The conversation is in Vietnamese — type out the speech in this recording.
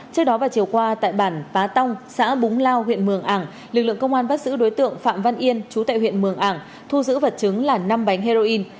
trước đó vào chiều qua tại bản pá tóng xã búng lao huyện mường ảng lực lượng công an bắt giữ đối tượng phạm văn yên chú tại huyện mường ảng thu giữ vật chứng là năm bánh heroin